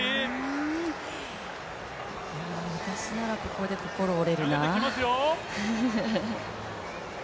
私なら、ここで心折れるな。